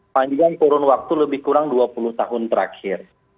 panjang kurun waktu lebih kurang dua puluh tahun terakhir